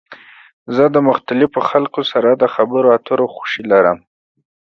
زه د مختلفو خلکو سره د خبرو اترو خوښی لرم.